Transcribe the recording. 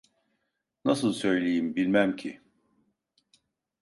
Nasıl söyleyeyim bilmem ki…